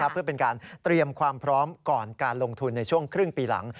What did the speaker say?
เพื่อเป็นการเตรียมความพร้อมก่อนการลงทุนในช่วงครึ่งปีหลัง